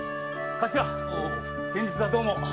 頭先日はどうも！